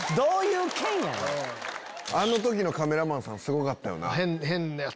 あの時のカメラマンさんすごかったよな。